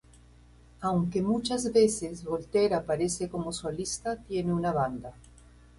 Aunque muchas veces Voltaire aparece como solista, tiene una banda.